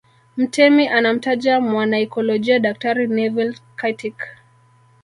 Mtemi anamtaja mwanaikolojia Daktari Neville Chittick